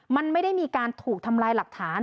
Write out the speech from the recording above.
มันไม่ได้มีการถูกทำลายหลักฐาน